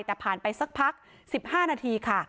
แต่ผ่านไปสักพัก๑๕นาทีค่ะ